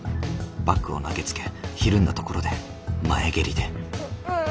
バッグを投げつけひるんだところで前蹴りで。